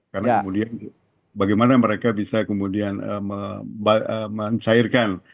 karena kemudian bagaimana mereka bisa kemudian mencairkan